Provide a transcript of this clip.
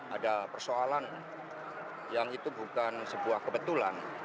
ada persoalan yang itu bukan sebuah kebetulan